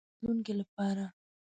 هو، د راتلونکی لپاره